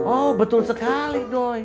oh betul sekali doi